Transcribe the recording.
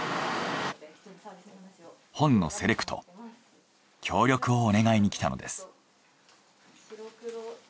本のセレクト協力をお願いにきたのです。